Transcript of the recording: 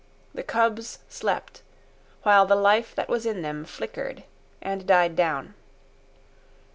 The cubs slept, while the life that was in them flickered and died down.